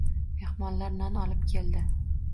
Mehmonlar non olib keldi